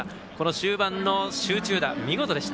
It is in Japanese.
終盤の集中打、見事でした。